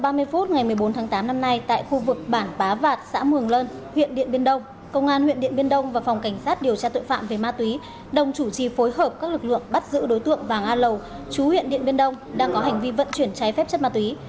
khoảng ba mươi phút ngày một mươi bốn tháng tám năm nay tại khu vực bản bá vạt xã mường lân huyện điện biên đông công an huyện điện biên đông và phòng cảnh sát điều tra tội phạm về ma túy đồng chủ trì phối hợp các lực lượng bắt giữ đối tượng vàng a lầu chú huyện điện biên đông đang có hành vi vận chuyển trái phép chất ma túy